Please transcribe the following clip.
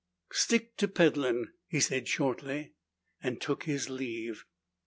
"Stick to peddlin'," he said shortly, and took his leave.